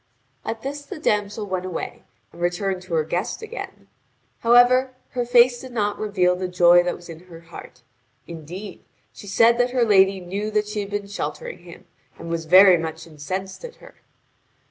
At this the damsel went away, and returned to her guest again. However, her face did not reveal the joy that was in her heart; indeed, she said that her lady knew that she had been sheltering him, and was very much incensed at her.